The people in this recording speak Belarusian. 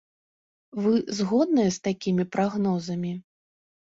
Вы згодныя з такімі прагнозамі?